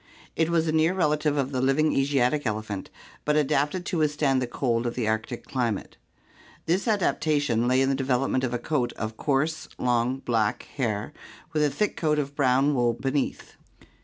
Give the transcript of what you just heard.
It was a near relative of the living Asiatic elephant, but adapted to withstand the cold of the Arctic climate. This adaptation lay in the development of a coat of coarse, long, black hair with a thick coat of brown wool beneath.